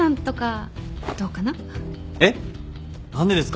えっ？何でですか？